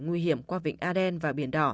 nguy hiểm qua vịnh aden và biển đỏ